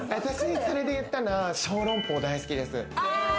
それで言ったら小籠包大好きです。